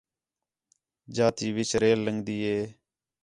جا تی وِچ ریل لنڳدی ہِے